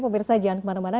pemirsa jangan kemana mana